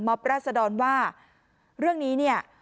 ราศดรว่าเรื่องนี้เนี่ย